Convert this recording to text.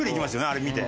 あれ見て。